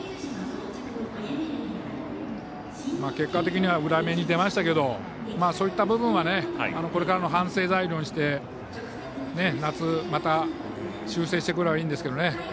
結果的には裏目に出ましたけどそういった部分はこれからの反省材料にして夏、また、修正してくればいいんですけどね。